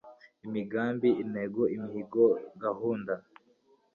imigambi intego, imihigo, gahunda